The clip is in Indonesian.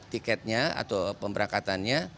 tiketnya atau pemberangkatannya